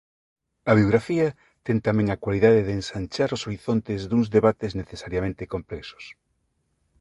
A biografía ten tamén a cualidade de ensanchar os horizontes duns debates necesariamente complexos.